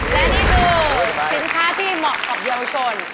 และนี่คือสินค้าที่เหมาะกับเยาวชน